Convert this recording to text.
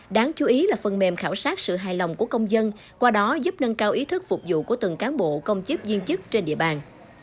đáng chú ý là phần mềm khảo sát sự hài lòng của công dân qua đó giúp nâng cao ý thức phục vụ của từng cán bộ công chức viên chức trên địa bàn